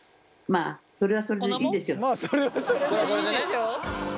「まあそれはそれでいいでしょう」。